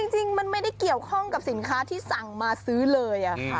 จริงมันไม่ได้เกี่ยวข้องกับสินค้าที่สั่งมาซื้อเลย